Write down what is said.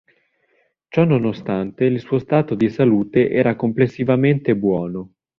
Ciononostante il suo stato di salute era complessivamente buono.